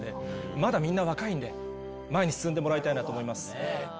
まだみんな若いんで前に進んでもらいたいと思います。